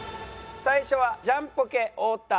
最初はジャンポケ太田。